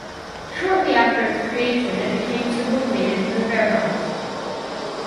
Shortly after its creation it became subordinated to the Wehrmacht.